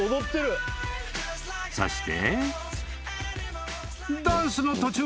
［そして］